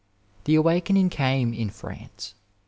The awakening came in France.